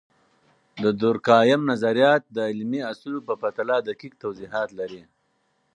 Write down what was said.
د دورکهايم نظریات د علمي اصولو په پرتله دقیق توضیحات لري.